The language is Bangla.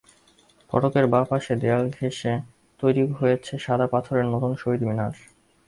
ফটকের বাঁ পাশের দেয়াল ঘেঁষে তৈরি হয়েছে সাদা পাথরের নতুন শহীদ মিনার।